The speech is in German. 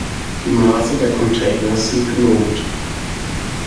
Die Maße der Container sind genormt.